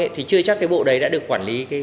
thì chưa chắc cái bộ đấy đã được quản lý